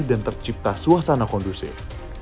dan tercipta suasana kondusif